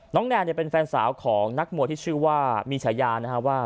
น้องแนนเป็นแฟนสาวของนักมวยที่ชื่อว่ามีชะยาว่า